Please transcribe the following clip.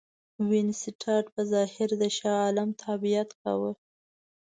وینسیټارټ په ظاهره د شاه عالم تابعیت کاوه.